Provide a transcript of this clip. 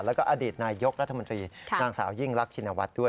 แล้วก็อดีตนายยกรัฐมนตรีนางสาวยิ่งรักชินวัฒน์ด้วย